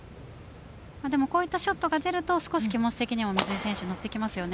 こういったショットが出ると少し気持ち的にも水井選手、のってきますね。